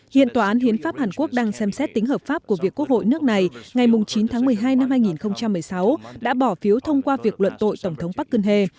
hiện tòa án hiến pháp hàn quốc đang xem xét tính hợp pháp của việc quốc hội nước này ngày chín tháng một mươi hai năm hai nghìn một mươi sáu đã bỏ phiếu thông qua việc luận tội tổng thống parkene